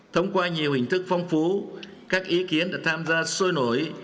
thông qua nhiều hình thức phong phú các ý kiến đã tham gia sôi nổi